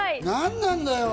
なんだよ。